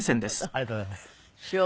ありがとうございます。